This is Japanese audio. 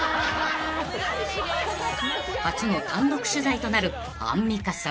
［初の単独取材となるアンミカさん］